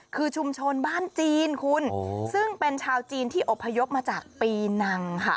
คือชุมชนบ้านจีนคุณซึ่งเป็นชาวจีนที่อบพยพมาจากปีนังค่ะ